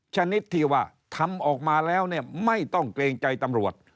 ชนิดที่ว่าทำออกมาแล้วเนี่ยไม่ต้องเกรงใจตำรวจ